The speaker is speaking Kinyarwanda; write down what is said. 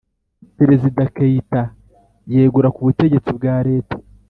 perezida keita yegura ku butegetsi bwareta